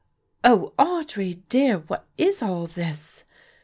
"O Audry dear! what is all this?"